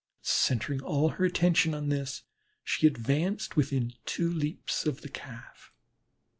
Centring all her attention on this, she advanced within two leaps of the Calf.